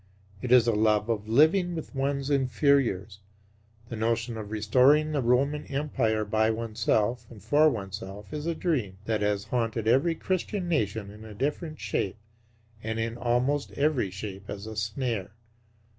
It is a love of living with one's inferiors. The notion of restoring the Roman Empire by oneself and for oneself is a dream that has haunted every Christian nation in a different shape and in almost every shape as a snare.